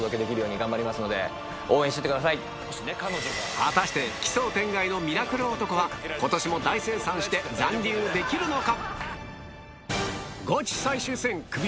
果たして奇想天外のミラクル男は今年も大精算して残留できるのか？